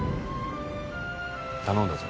頼んだぞ。